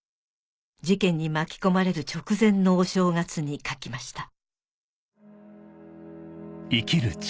事件に巻き込まれる直前のお正月に書きました